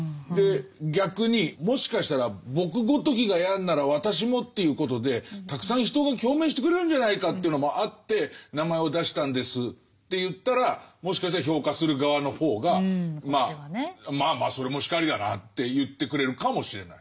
逆に「もしかしたら僕ごときがやるなら私もということでたくさん人が共鳴してくれるんじゃないかというのもあって名前を出したんです」って言ったらもしかしたら評価する側の方が「まあまあそれも然りだな」って言ってくれるかもしれない。